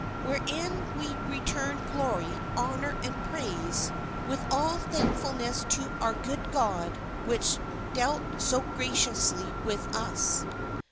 Wherein we returned glory, honour, and praise, with all thankfulness to our good God which dealt so graciously with us."